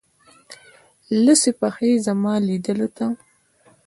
لڅي پښې زما لیدولو ته